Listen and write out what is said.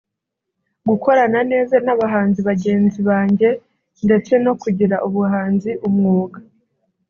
gukorana neza n’abahanzi bagenzi banjye ndetse no kugira ubuhanzi umwuga